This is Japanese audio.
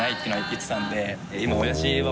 言ってたんで。